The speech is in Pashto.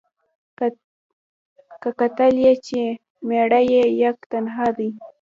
که کتل یې چي مېړه یې یک تنها دی